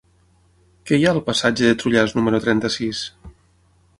Què hi ha al passatge de Trullàs número trenta-sis?